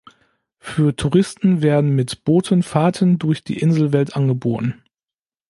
Für Touristen werden mit Booten Fahrten durch die Inselwelt angeboten.